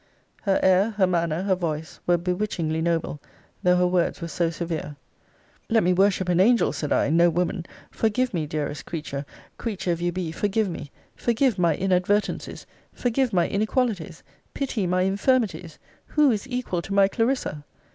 Her air, her manner, her voice, were bewitchingly noble, though her words were so severe. Let me worship an angel, said I, no woman. Forgive me, dearest creature! creature if you be, forgive me! forgive my inadvertencies! forgive my inequalities! pity my infirmities! Who is equal to my Clarissa?